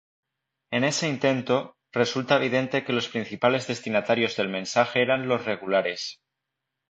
En ese intento, resulta evidente que los principales destinatarios del mensaje eran los regulares.